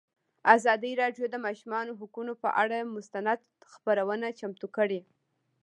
ازادي راډیو د د ماشومانو حقونه پر اړه مستند خپرونه چمتو کړې.